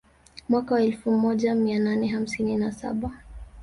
Mwaka wa elfu moja mia nane hamsini na saba